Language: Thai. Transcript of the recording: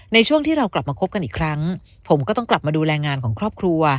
ในช่วงที่เรากลับมาคบกันอีกครั้งผมก็ต้องกลับมาดูแลงานของครอบครัว